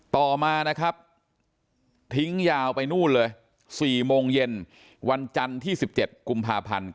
ต่อมานะครับทิ้งยาวไปนู่นเลย๔โมงเย็นวันจันทร์ที่๑๗กุมภาพันธ์